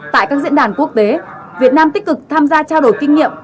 tại các diễn đàn quốc tế việt nam tích cực tham gia trao đổi kinh nghiệm